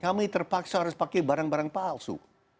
kami terpaksa harus pakai barang barang palsu